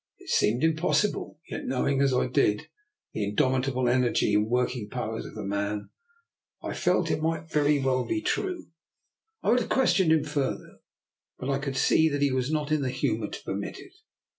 It seemed impos sible, and yet knowing as I did the indomi table energy and working powers of the man, 19 286 DR. NIKOLA'S EXPERIMENT. I felt it might very well be true. I would have questioned him further, but I could see that he was not in the humour to permit it.